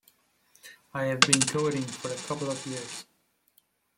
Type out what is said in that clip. I have been coding for a couple of years.